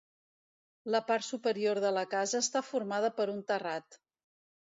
La part superior de la casa està formada per un terrat.